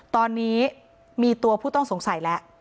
ตอนนี้มีตัวผู้ต้องสงสัยแล้ว